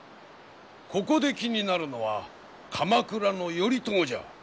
ここで気になるのは鎌倉の頼朝じゃ。